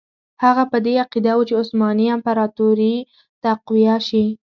هغه په دې عقیده وو چې عثماني امپراطوري تقویه شي.